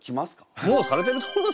もうされてると思いますよ。